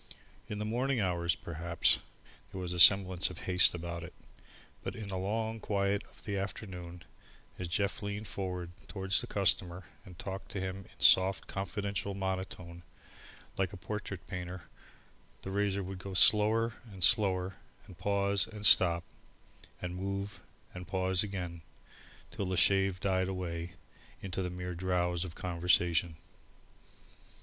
In the morning hours, perhaps, there was a semblance of haste about it, but in the long quiet of the afternoon, as Jeff leaned forward towards the customer, and talked to him in a soft confidential monotone, like a portrait painter, the razor would go slower and slower, and pause and stop, move and pause again, till the shave died away into the mere drowse of conversation.